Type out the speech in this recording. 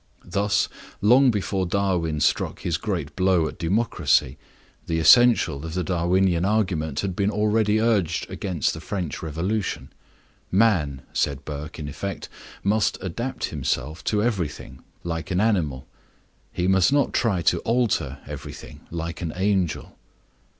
Thus, long before Darwin struck his great blow at democracy, the essential of the Darwinian argument had been already urged against the French Revolution. Man, said Burke in effect, must adapt himself to everything, like an animal; he must not try to alter everything, like an angel.